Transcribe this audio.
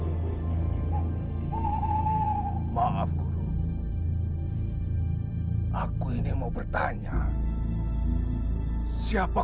yang bekerja untuk mengejar surat surat kita